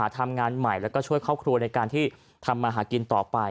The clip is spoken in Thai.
ทำงานใหม่แล้วก็ช่วยครอบครัวในการที่ทำมาหากินต่อไป